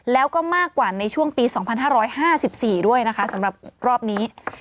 แล้วก็มากกว่าในช่วงปี๒๕๕๔ด้วยนะคะสำหรับรอบนี้